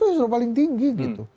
asil survei sudah paling tinggi